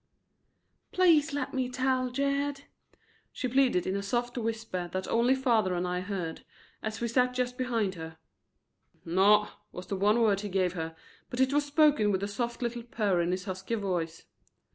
"Please lemme tell, Jed," she pleaded in a soft whisper that only father and I heard, as we sat just behind her. "Naw," was the one word he gave her, but it was spoken with a soft little purr in his husky voice.